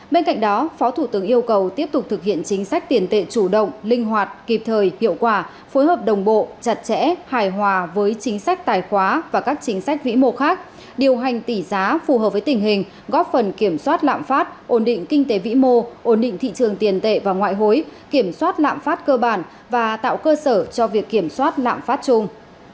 bên cạnh đó phó thủ tướng yêu cầu tiếp tục thực hiện chính sách tiền tệ chủ động linh hoạt kịp thời hiệu quả phối hợp đồng bộ chặt chẽ hài hòa với chính sách tài khoá và các chính sách vĩ mô khác điều hành tỷ giá phù hợp với tình hình góp phần kiểm soát lạm pháp ổn định kinh tế vĩ mô ổn định thị trường tiền tệ và ngoại hối kiểm soát lạm pháp cơ bản và tạo cơ sở cho việc kiểm soát lạm pháp chung